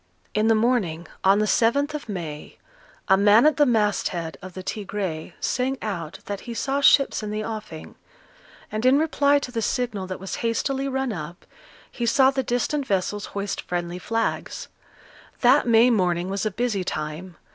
In the morning, on the 7th of May, a man at the masthead of the Tigre sang out that he saw ships in the offing; and in reply to the signal that was hastily run up, he saw the distant vessels hoist friendly flags. That May morning was a busy time.